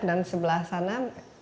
dan sebelah sana